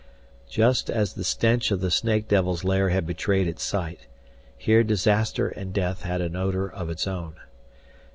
Just as the stench of the snake devil's lair had betrayed its site, here disaster and death had an odor of its own.